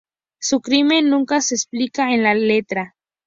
Su crimen nunca se explica en la letra.